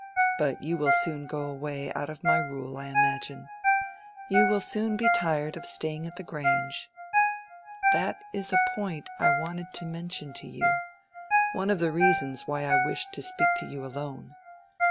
But you will soon go away, out of my rule, I imagine. You will soon be tired of staying at the Grange." "That is a point I wanted to mention to you—one of the reasons why I wished to speak to you alone.